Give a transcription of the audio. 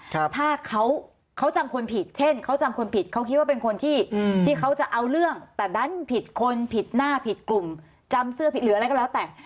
ถ้าเขาเขาจำคนผิดเช่นเขาจำคนผิดเขาคิดว่าเป็นคนที่ที่เขาจะเอาเรื่องแต่ดันผิดคนผิดหน้าผิดกลุ่มจำเสื้อผิดหรืออะไรก็แล้วแต่